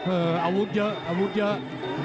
อาวุธเยอะอาวุธเยอะ